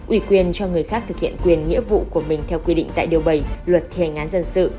ủy quyền cho người khác thực hiện quyền nghĩa vụ của mình theo quy định tại điều bảy luật thi hành án dân sự